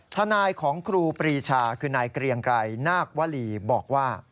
ทนายของครูปรีชาคือนายเกรียงไกรนาควรีบอกว่า